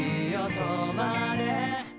止まれ